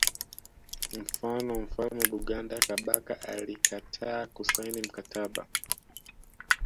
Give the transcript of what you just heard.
Mfano mfalme Buganda Kabaka alikataa kusaini mkataba